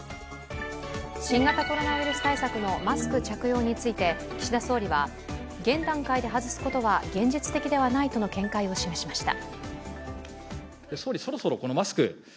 新型コロナウイルス対策のマスク着用について岸田総理は、現段階で外すことは現実的ではないとの見解を示しました。